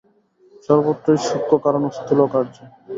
সর্বত্রই সূক্ষ্ম কারণ ও স্থূল কার্য।